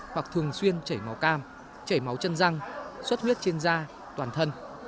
hoặc thường xuyên chảy máu cam chảy máu chân răng suất huyết trên da toàn thân